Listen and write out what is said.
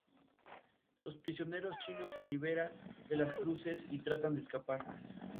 Los prisioneros chinos se liberan de las cruces y tratan de escapar.